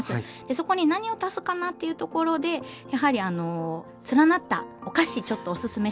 そこに何を足すかなっていうところでやはりあの連なったお菓子ちょっとおすすめしたいです。